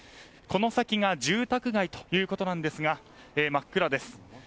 この先が住宅街ということですが真っ暗です。